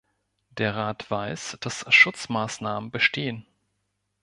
Der Rat weiß, dass Schutzmaßnahmen bestehen.